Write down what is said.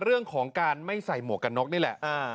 เรื่องของการไม่ใส่หมวกกันน็อกนี่แหละ